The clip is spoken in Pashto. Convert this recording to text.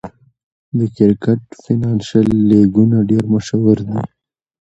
د کرکټ فینانشل لیګونه ډېر مشهور دي.